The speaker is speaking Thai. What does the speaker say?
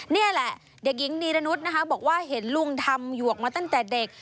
นี่แหละเด็กหญิงนีรนุษย์นะคะบอกว่าเห็นลุงทำหยวกมาตั้งแต่เด็ก